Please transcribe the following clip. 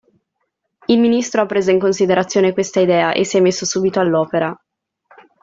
Il ministro ha preso in considerazione questa idea e si è messo subito all'opera.